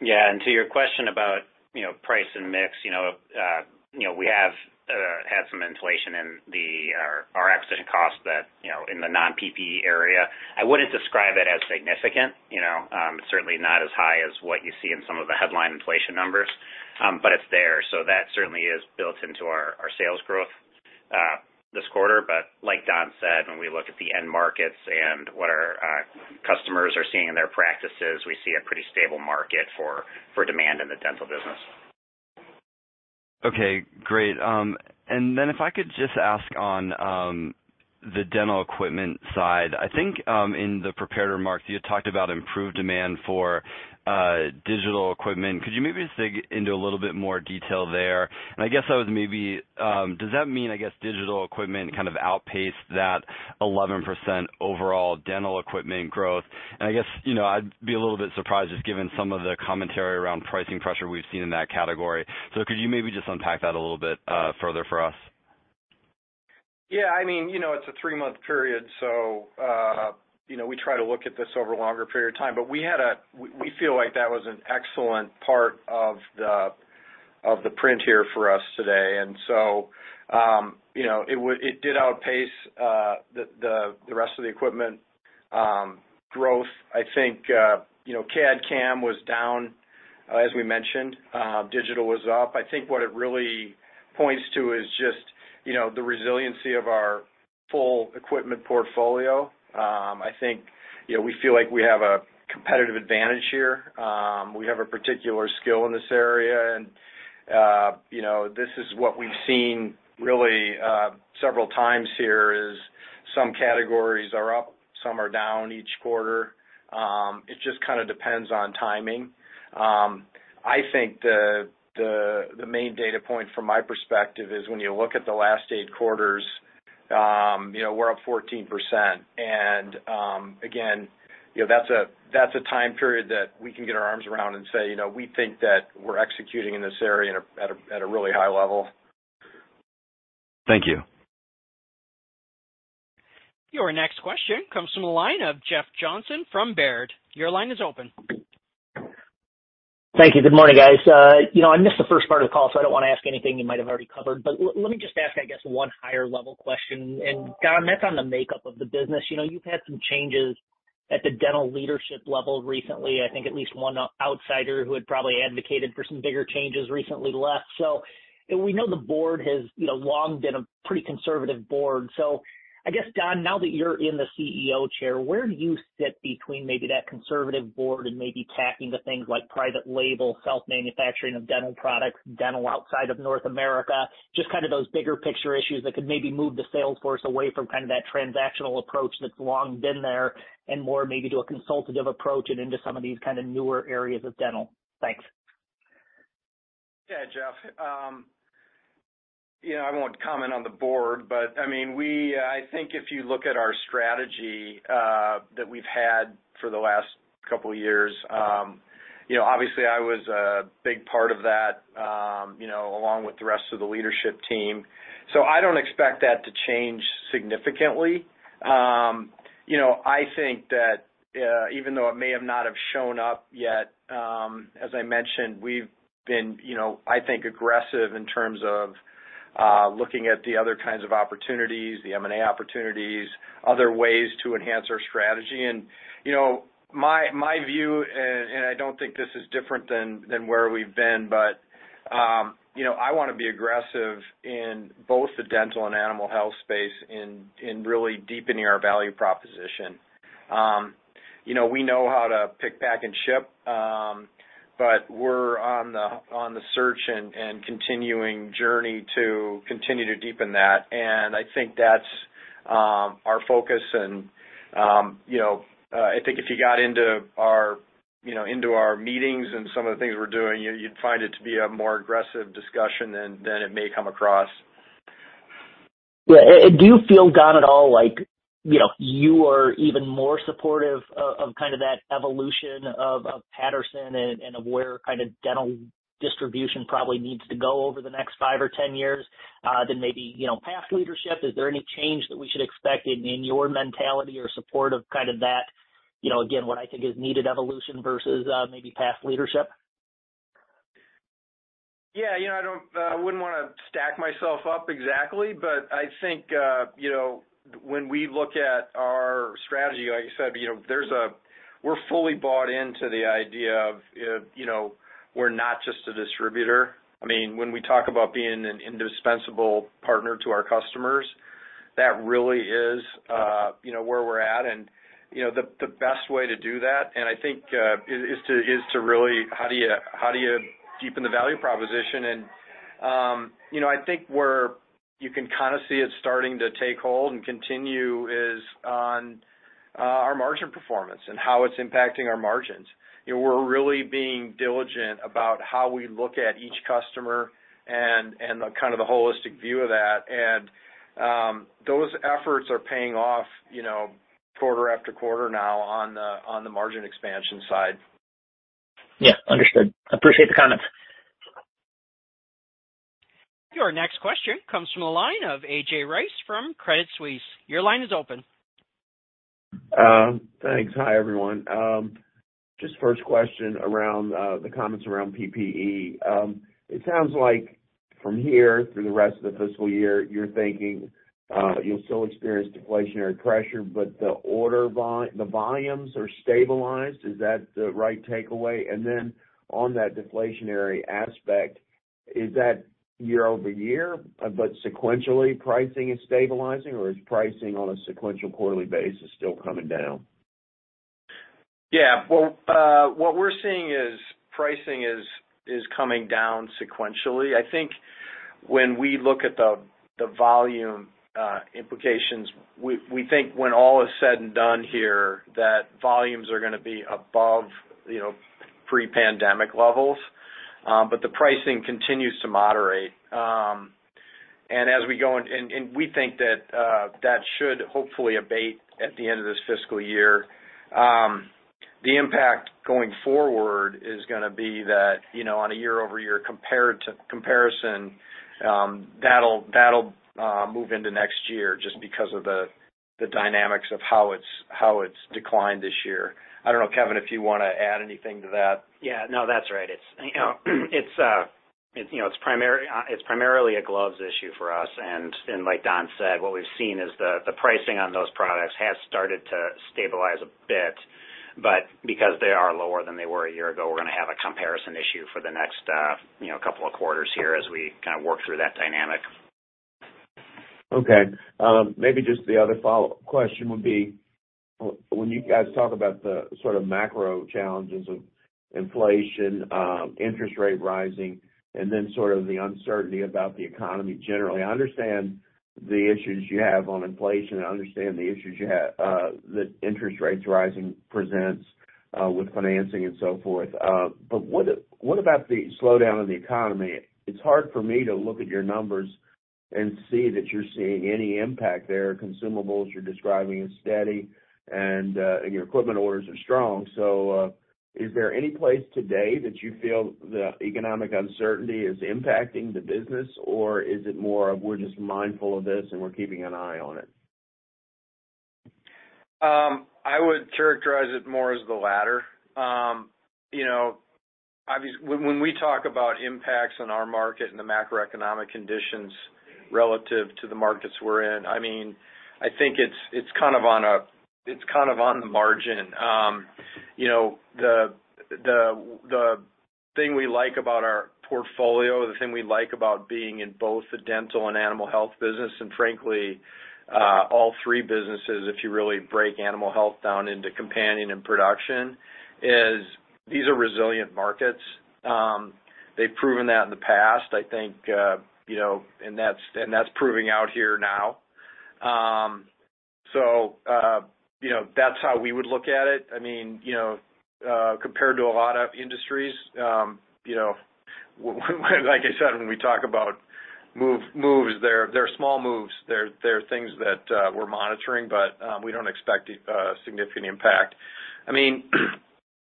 Yeah. To your question about, you know, price and mix, we have had some inflation in our acquisition costs that, you know, in the non-PPE area. I wouldn't describe it as significant, you know. It's certainly not as high as what you see in some of the headline inflation numbers, but it's there. That certainly is built into our sales growth this quarter. Like Don said, when we look at the end markets and what our customers are seeing in their practices, we see a pretty stable market for demand in the Dental business. Okay. Great. If I could just ask on the dental equipment side. I think, in the prepared remarks, you had talked about improved demand for digital equipment. Could you maybe just dig into a little bit more detail there? I guess I was maybe, does that mean, I guess, digital equipment kind of outpaced that 11% overall dental equipment growth? I guess, you know, I'd be a little bit surprised just given some of the commentary around pricing pressure we've seen in that category. Could you maybe just unpack that a little bit further for us? Yeah, I mean, you know, it's a three-month period, so, you know, we try to look at this over a longer period of time. We feel like that was an excellent part of the print here for us today. You know, it did outpace the rest of the equipment growth. I think, you know, CAD/CAM was down, as we mentioned. Digital was up. I think what it really points to is just, you know, the resiliency of our full equipment portfolio. I think, you know, we feel like we have a competitive advantage here. We have a particular skill in this area and, you know, this is what we've seen really several times here, is some categories are up, some are down each quarter. It just kind of depends on timing. I think the main data point from my perspective is when you look at the last eight quarters, you know, we're up 14%. Again, you know, that's a time period that we can get our arms around and say, you know, we think that we're executing in this area at a really high level. Thank you. Your next question comes from the line of Jeff Johnson from Baird. Your line is open. Thank you. Good morning, guys. You know, I missed the first part of the call, so I don't wanna ask anything you might have already covered. Let me just ask, I guess one higher level question. Don, that's on the makeup of the business. You know, you've had some changes at the dental leadership level recently. I think at least one outsider who had probably advocated for some bigger changes recently left. We know the board has, you know, long been a pretty conservative board. I guess, Don, now that you're in the CEO chair, where do you sit between maybe that conservative board and maybe tacking to things like private label, self manufacturing of dental products, dental outside of North America, just kind of those bigger picture issues that could maybe move the sales force away from kind of that transactional approach that's long been there and more maybe to a consultative approach and into some of these kind of newer areas of Dental? Thanks. Yeah, Jeff. you know, I won't comment on the board, but I mean, I think if you look at our strategy, that we've had for the last couple of years, you know, obviously I was a big part of that, you know, along with the rest of the leadership team. I don't expect that to change significantly. you know, I think that, even though it may have not have shown up yet, as I mentioned, we've been, you know, I think aggressive in terms of, looking at the other kinds of opportunities, the M&A opportunities, other ways to enhance our strategy. you know, my view, and I don't think this is different than where we've been, but, you know, I wanna be aggressive in both the Dental and Animal Health space in really deepening our value proposition. you know, we know how to pick, pack, and ship, but we're on the search and continuing journey to continue to deepen that. I think that's our focus and, you know, I think if you got into our meetings and some of the things we're doing, you'd find it to be a more aggressive discussion than it may come across. Yeah. Do you feel, Don, at all, like, you know, you are even more supportive of kind of that evolution of Patterson and of where kind of dental distribution probably needs to go over the next five or 10 years, than maybe, you know, past leadership? Is there any change that we should expect in your mentality or support of kind of that, you know, again, what I think is needed evolution versus, maybe past leadership? Yeah. You know, I wouldn't wanna stack myself up exactly, but I think, you know, when we look at our strategy, like I said, you know, we're fully bought into the idea of, you know, we're not just a distributor. I mean, when we talk about being an indispensable partner to our customers, that really is, you know, where we're at. You know, the best way to do that, and I think, is to really how do you deepen the value proposition? You know, I think where you can kind of see it starting to take hold and continue is on our margin performance and how it's impacting our margins. You know, we're really being diligent about how we look at each customer and the kind of the holistic view of that. Those efforts are paying off, you know, quarter-after-quarter now on the, on the margin expansion side. Yeah. Understood. Appreciate the comment. Your next question comes from the line of A.J. Rice from Credit Suisse. Your line is open. Thanks. Hi, everyone. Just first question around the comments around PPE. It sounds like from here through the rest of the fiscal year, you're thinking you'll still experience deflationary pressure, but the order volumes are stabilized. Is that the right takeaway? On that deflationary aspect, is that year-over-year, but sequentially pricing is stabilizing or is pricing on a sequential quarterly basis still coming down? Yeah. Well, what we're seeing is pricing is coming down sequentially. I think when we look at the volume implications, we think when all is said and done here, that volumes are gonna be above, you know, pre-pandemic levels. The pricing continues to moderate. As we think that should hopefully abate at the end of this fiscal year. The impact going forward is gonna be that, you know, on a year-over-year comparison, that'll move into next year just because of the dynamics of how it's declined this year. I don't know, Kevin, if you wanna add anything to that. Yeah. No, that's right. It's, you know, it's primarily a gloves issue for us. Like Don said, what we've seen is the pricing on those products has started to stabilize a bit. Because they are lower than they were a year ago, we're gonna have a comparison issue for the next, you know, couple of quarters here as we kind of work through that dynamic. Okay. Maybe just the other follow-up question would be, when you guys talk about the sort of macro challenges of inflation, interest rate rising, and then sort of the uncertainty about the economy generally, I understand the issues you have on inflation, I understand the issues you have, the interest rates rising presents, with financing and so forth. But what about the slowdown in the economy? It's hard for me to look at your numbers and see that you're seeing any impact there. Consumables, you're describing as steady, and your equipment orders are strong. Is there any place today that you feel the economic uncertainty is impacting the business, or is it more of we're just mindful of this and we're keeping an eye on it? I would characterize it more as the latter. you know, When we talk about impacts on our market and the macroeconomic conditions relative to the markets we're in, I mean, I think it's kind of on the margin. you know, the thing we like about our portfolio, the thing we like about being in both the Dental and Animal Health business, and frankly, all three businesses, if you really break Animal Health down into companion and production, is these are resilient markets. They've proven that in the past, I think, you know, and that's, and that's proving out here now. you know, that's how we would look at it. I mean, you know, compared to a lot of industries, you know, like I said, when we talk about moves, they're small moves. They're things that we're monitoring, but we don't expect a significant impact. I mean,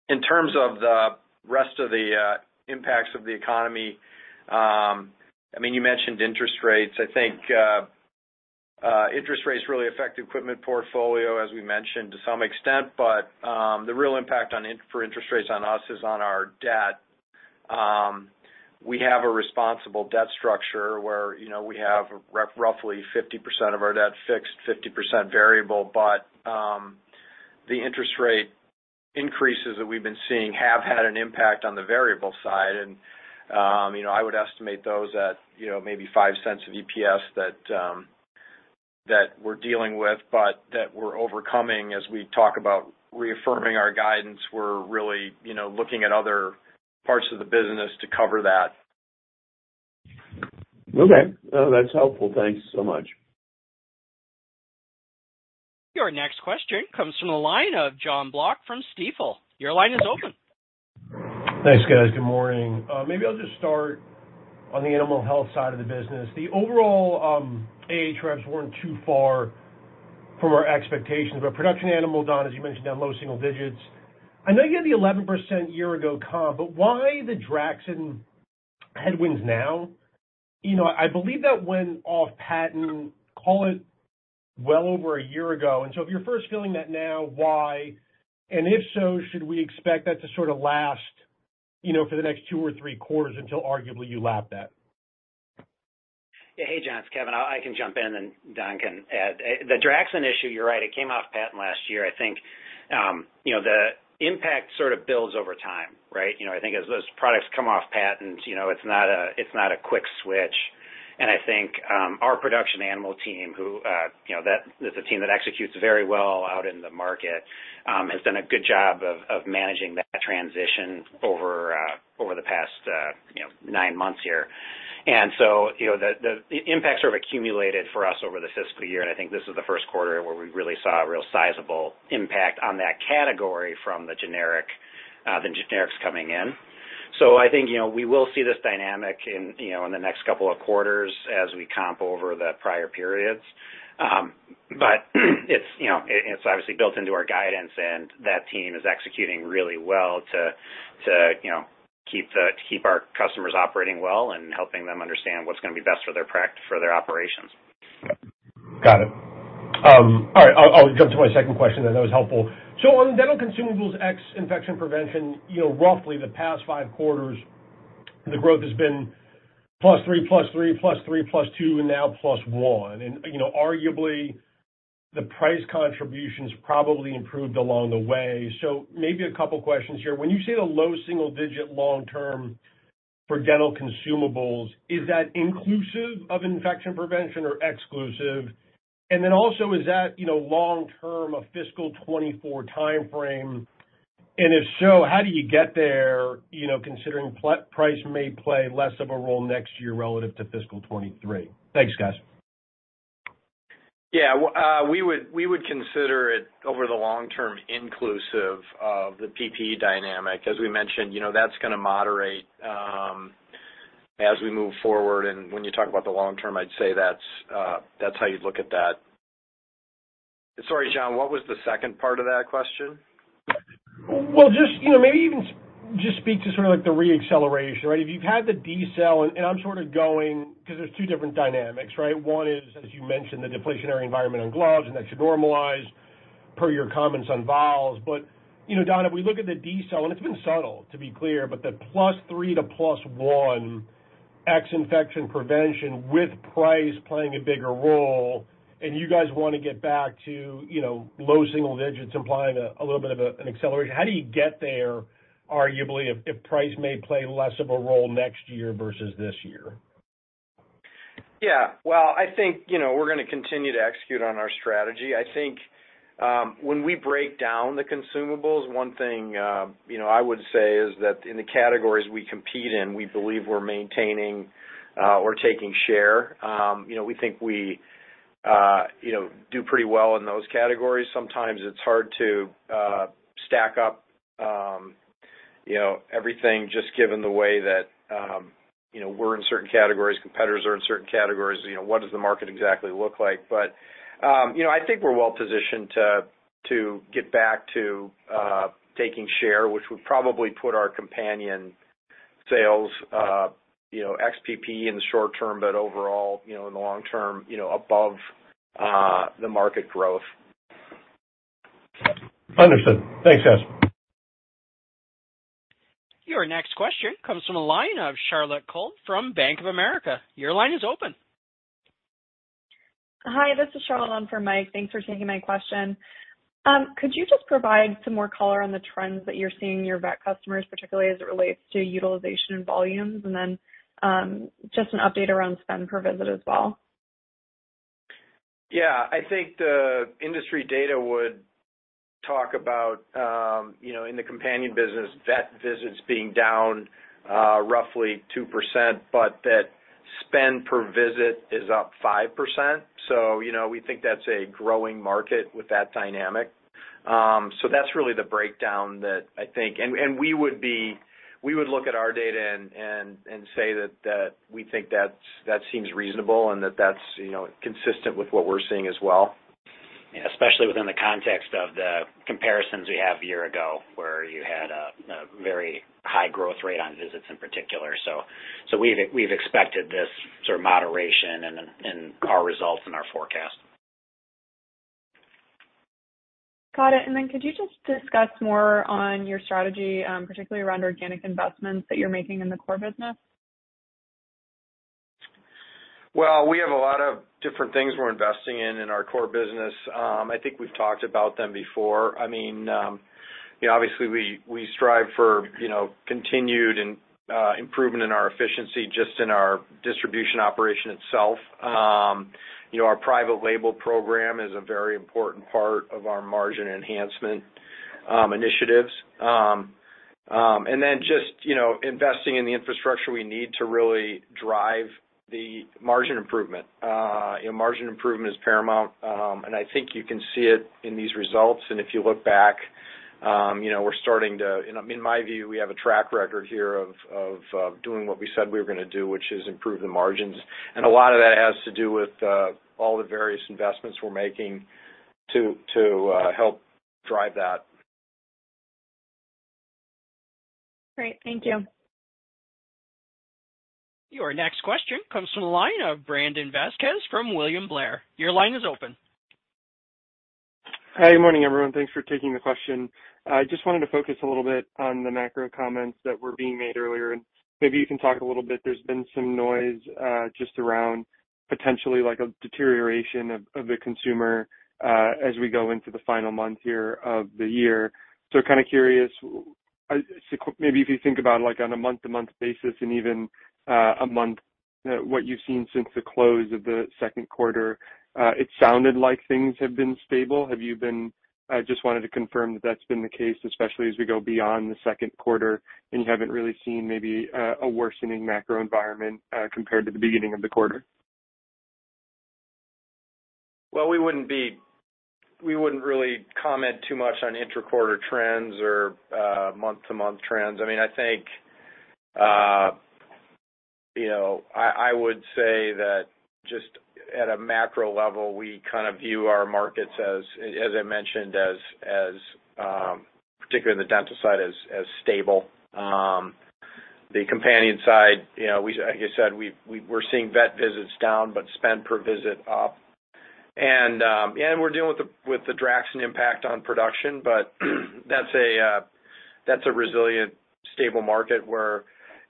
in terms of the rest of the impacts of the economy, I mean, you mentioned interest rates. I think interest rates really affect equipment portfolio, as we mentioned, to some extent, but the real impact for interest rates on us is on our debt. We have a responsible debt structure where, you know, we have roughly 50% of our debt fixed, 50% variable, but the interest rate increases that we've been seeing have had an impact on the variable side. You know, I would estimate those at, you know, maybe $0.05 of EPS that we're dealing with, but that we're overcoming. As we talk about reaffirming our guidance, we're really, you know, looking at other parts of the business to cover that. No, that's helpful. Thanks so much. Your next question comes from the line of Jon Block from Stifel. Your line is open. Thanks, guys. Good morning. Maybe I'll just start on the Animal Health side of the business. The overall AH revs weren't too far from our expectations. Production Animal, Don, as you mentioned, down low single digits. I know you had the 11% year ago comp, but why the Draxxin headwinds now? You know, I believe that went off patent, call it well over a year ago. If you're first feeling that now, why? If so, should we expect that to sort of last, you know, for the next two or three quarters until arguably you lap that? Yeah. Hey, Jon, it's Kevin. I can jump in and Don can add. The Draxxin issue, you're right, it came off patent last year. I think, you know, the impact sort of builds over time, right? You know, I think as those products come off patent, you know, it's not a, it's not a quick switch. I think, our Production Animal team who, you know, that is a team that executes very well out in the market, has done a good job of managing that transition over the past nine months here. You know, the impact sort of accumulated for us over the fiscal year, and I think this is the first quarter where we really saw a real sizable impact on that category from the generic, the generics coming in. I think, you know, we will see this dynamic in, you know, in the next couple of quarters as we comp over the prior periods. It's, you know, it's obviously built into our guidance, and that team is executing really well to, you know, to keep our customers operating well and helping them understand what's gonna be best for their operations. Got it. All right, I'll jump to my second question. That was helpful. On dental consumables ex infection prevention, you know, roughly the past five quarters, the growth has been +3%, +3%, +3%, +2%, and now +1%. Arguably, the price contributions probably improved along the way. Maybe a couple questions here. When you say the low single digit long term for dental consumables, is that inclusive of infection prevention or exclusive? Also, is that, you know, long term a fiscal 2024 timeframe? If so, how do you get there, you know, considering price may play less of a role next year relative to fiscal 2023? Thanks, guys. Yeah. We would consider it over the long term inclusive of the PPE dynamic. As we mentioned, you know, that's gonna moderate as we move forward, and when you talk about the long term, I'd say that's how you'd look at that. Sorry, John, what was the second part of that question? Just, you know, maybe even just speak to sort of like the re-acceleration, right? If you've had the decel, and I'm sort of going because there's two different dynamics, right? One is, as you mentioned, the deflationary environment on gloves, and that should normalize per your comments on valves. You know, Don, if we look at the decel, and it's been subtle, to be clear, but the +3% to +1% ex infection prevention with price playing a bigger role, and you guys wanna get back to, you know, low single digits, implying a little bit of an acceleration. How do you get there, arguably, if price may play less of a role next year versus this year? Yeah. Well, I think, you know, we're gonna continue to execute on our strategy. I think, when we break down the consumables, one thing, you know, I would say is that in the categories we compete in, we believe we're maintaining, or taking share. You know, we think we, you know, do pretty well in those categories. Sometimes it's hard to stack up, you know, everything just given the way that, you know, we're in certain categories, competitors are in certain categories. You know, what does the market exactly look like? I think we're well positioned to get back to taking share, which would probably put our companion sales, you know, ex PPE in the short term, but overall, you know, in the long term, you know, above the market growth. Understood. Thanks, guys. Your next question comes from the line of Charlotte Halpern from Bank of America. Your line is open. Hi, this is Charlotte on for Mike. Thanks for taking my question. Could you just provide some more color on the trends that you're seeing in your vet customers, particularly as it relates to utilization and volumes? Then, just an update around spend per visit as well. I think the industry data would talk about, you know, in the companion business, vet visits being down, roughly 2%, but that spend per visit is up 5%. You know, we think that's a growing market with that dynamic. That's really the breakdown that I think. We would look at our data and say that we think that's, that seems reasonable and that that's, you know, consistent with what we're seeing as well. Yeah, especially within the context of the comparisons we have a year ago, where you had a very high growth rate on visits in particular. We've expected this sort of moderation in our results and our forecast. Got it. Could you just discuss more on your strategy, particularly around organic investments that you're making in the core business? Well, we have a lot of different things we're investing in in our core business. I think we've talked about them before. I mean, you know, obviously, we strive for, you know, continued improvement in our efficiency just in our distribution operation itself. You know, our private label program is a very important part of our margin enhancement initiatives. And then just, you know, investing in the infrastructure we need to really drive the margin improvement. You know, margin improvement is paramount. I think you can see it in these results. If you look back, you know, we're starting to. In my view, we have a track record here of doing what we said we were gonna do, which is improve the margins. A lot of that has to do with, all the various investments we're making to help drive that. Great. Thank you. Your next question comes from the line of Brandon Vazquez from William Blair. Your line is open. Hi. Good morning, everyone. Thanks for taking the question. I just wanted to focus a little bit on the macro comments that were being made earlier, and maybe you can talk a little bit. There's been some noise, just around potentially like a deterioration of the consumer, as we go into the final month here of the year. Kind of curious, maybe if you think about like on a month-to-month basis and even a month, what you've seen since the close of the second quarter, it sounded like things have been stable. Have you been just wanted to confirm that that's been the case, especially as we go beyond the second quarter, and you haven't really seen maybe a worsening macro environment, compared to the beginning of the quarter? Well, we wouldn't really comment too much on inter-quarter trends or month-to-month trends. I mean, I think, you know, I would say that just at a macro level, we kind of view our markets as I mentioned, as particularly the Dental side, as stable. The companion side, you know, like I said, we're seeing vet visits down but spend per visit up. We're dealing with the Draxxin impact on production, but that's a resilient, stable market where,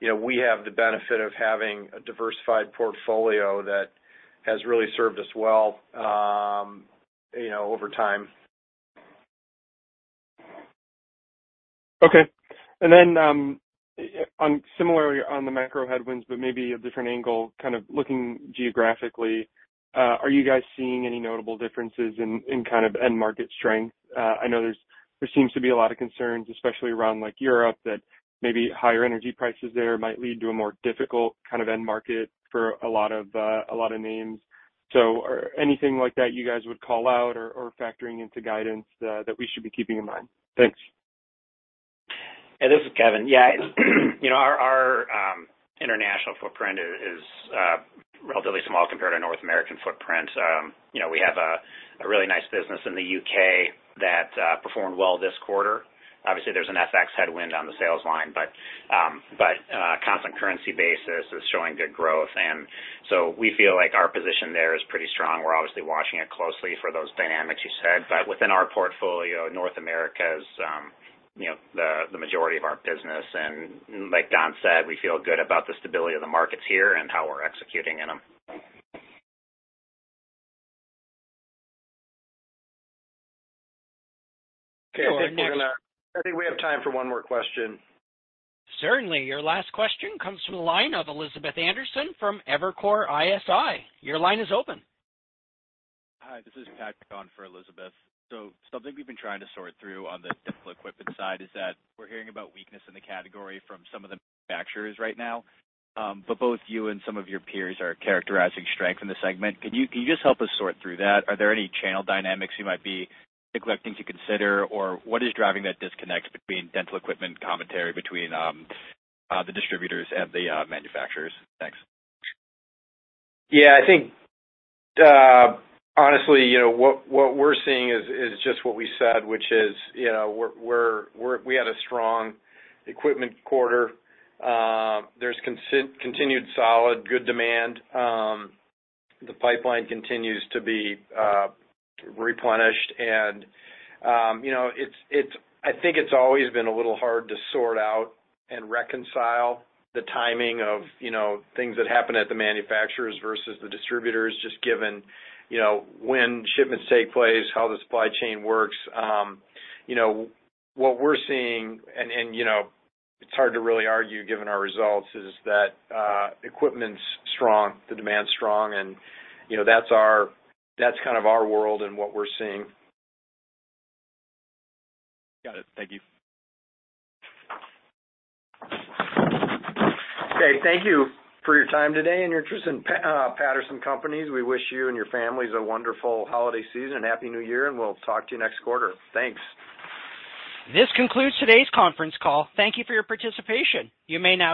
you know, we have the benefit of having a diversified portfolio that has really served us well, you know, over time. Okay. Then, on similarly on the macro headwinds, but maybe a different angle, kind of looking geographically, are you guys seeing any notable differences in kind of end market strength? I know there seems to be a lot of concerns, especially around like Europe, that maybe higher energy prices there might lead to a more difficult kind of end market for a lot of, a lot of names. Anything like that you guys would call out or factoring into guidance that we should be keeping in mind? Thanks. Hey, this is Kevin. Yeah, you know, our international footprint is relatively small compared to North American footprint. You know, we have a really nice business in the U.K. that performed well this quarter. Obviously, there's an FX headwind on the sales line, but on a constant currency basis, it's showing good growth. We feel like our position there is pretty strong. We're obviously watching it closely for those dynamics you said. Within our portfolio, North America is, you know, the majority of our business. Like Don said, we feel good about the stability of the markets here and how we're executing in them. Okay. I think we have time for one more question. Certainly. Your last question comes from the line of Elizabeth Anderson from Evercore ISI. Your line is open. Hi, this is Sameer Patel on for Elizabeth. Something we've been trying to sort through on the dental equipment side is that we're hearing about weakness in the category from some of the manufacturers right now. Both you and some of your peers are characterizing strength in the segment. Can you just help us sort through that? Are there any channel dynamics you might be neglecting to consider, or what is driving that disconnect between dental equipment commentary between the distributors and the manufacturers? Thanks. Yeah. I think, honestly, you know, what we're seeing is just what we said, which is, you know, we had a strong equipment quarter. There's continued solid good demand. The pipeline continues to be replenished and, you know, I think it's always been a little hard to sort out and reconcile the timing of, you know, things that happen at the manufacturers versus the distributors, just given, you know, when shipments take place, how the supply chain works. You know, what we're seeing and, you know, it's hard to really argue given our results, is that equipment's strong, the demand's strong, and, you know, that's our, that's kind of our world and what we're seeing. Got it. Thank you. Okay, thank you for your time today and your interest in Patterson Companies. We wish you and your families a wonderful holiday season and happy new year. We'll talk to you next quarter. Thanks. This concludes today's conference call. Thank you for your participation. You may now disconnect.